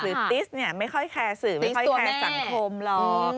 ติสเนี่ยไม่ค่อยแคร์สื่อไม่ค่อยแคร์สังคมหรอก